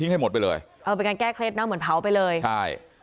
ให้หมดไปเลยเออเป็นการแก้เคล็ดนะเหมือนเผาไปเลยใช่